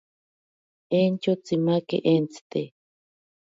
Entyo tsimake entsite.